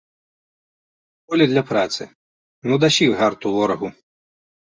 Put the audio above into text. Поле для працы, ну, дасі гарту ворагу!